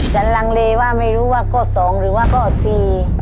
ฉันลังเลว่าไม่รู้ว่ากฏสองหรือว่ากฏสี่